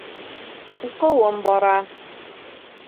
Уҡыуым бара.